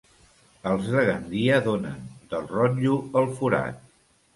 Els de Gandia donen, del rotllo, el forat.